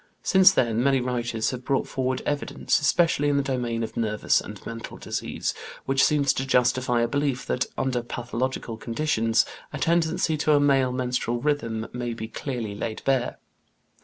Since then, many writers have brought forward evidence, especially in the domain of nervous and mental disease, which seems to justify a belief that, under pathological conditions, a tendency to a male menstrual rhythm may be clearly laid bare.